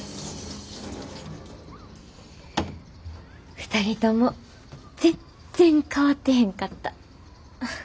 ２人とも全然変わってへんかった。